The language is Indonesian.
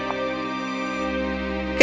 ilario aku sudah menunggumu